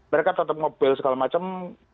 mereka tetap mobil segala macam